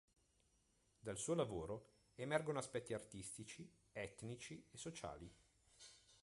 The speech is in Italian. Dal suo lavoro emergono aspetti artistici, etnici e sociali.